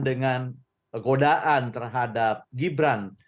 dengan godaan terhadap gibran